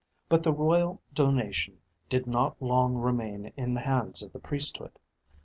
But the royal donation did not long remain in the hands of the priesthood.